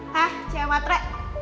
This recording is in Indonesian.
hah siapa tre